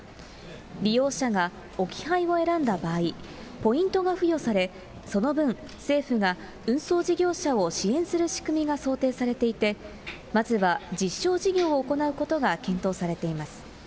利用者が置き配を選んだ場合、ポイントが付与され、その分、政府が運送事業者を支援する仕組みが想定されていて、まずは実証事業を行うことが検討されています。